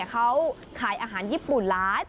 เขาขายอาหารญี่ปุ่นล้ายต่อหลายอย่าง